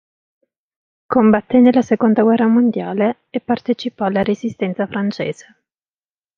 Combatté nella seconda guerra mondiale e partecipò alla Resistenza francese.